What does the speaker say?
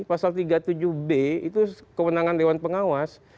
pasal tiga puluh tujuh b itu kewenangan dewan pengawas